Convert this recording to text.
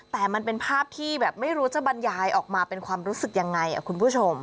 แต่มันเป็นภาพที่แบบไม่รู้จะบรรยายออกมาเป็นความรู้สึกยังไงคุณผู้ชม